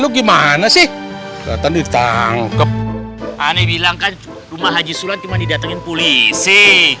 lu gimana sih datang ditangkap aneh bilang kan rumah haji sulat cuma didatengin polisi